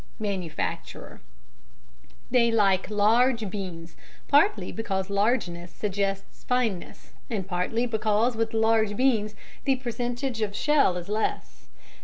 MANUFACTURER: They like large beans, partly because largeness suggests fineness, and partly because with large beans the percentage of shell is less.